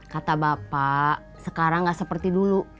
kata bapak sekarang gak seperti dulu